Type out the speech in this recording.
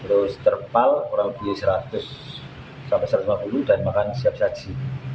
terus terpal kurang lebih seratus sampai satu ratus lima puluh dan makan siap saji